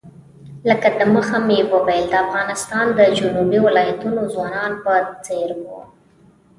لکه د مخه مې وویل د افغانستان د جنوبي ولایتونو ځوانانو په څېر وو.